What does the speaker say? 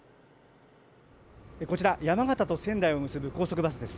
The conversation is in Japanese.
こちら、山形と仙台を結ぶ高速バスです。